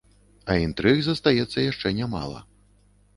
А інтрыг застаецца яшчэ нямала.